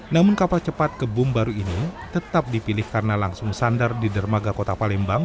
namun kapal cepat kebung baru ini tetap dipilih karena langsung sandar di dermaga kota palembang